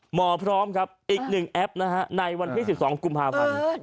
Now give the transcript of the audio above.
หมอพร้อมครับอีก๑แอปนะฮะในวันที่๑๒กุมภาพันธ์